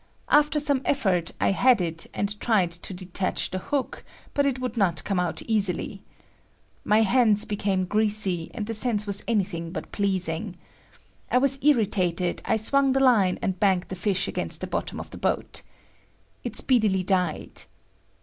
After some effort, I had it and tried to detach the hook, but it would not come out easily. My hands became greasy and the sense was anything but pleasing. I was irritated; I swung the line and banged the fish against the bottom of the boat. It speedily died.